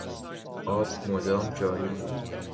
آب مدام جاری بود.